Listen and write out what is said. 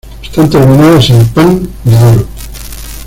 Están terminadas en pan de oro.